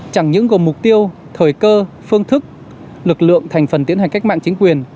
chẳng những gồm mục tiêu thời cơ phương thức lực lượng thành phần tiến hành cách mạng chính quyền